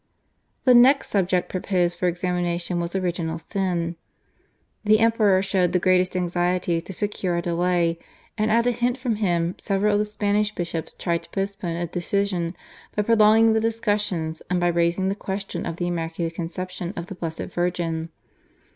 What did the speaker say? The next subject proposed for examination was Original Sin. The Emperor showed the greatest anxiety to secure a delay, and at a hint from him several of the Spanish bishops tried to postpone a decision by prolonging the discussions and by raising the question of the Immaculate Conception of the Blessed Virgin.